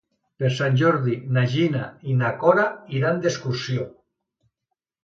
Per Sant Jordi na Gina i na Cora iran d'excursió.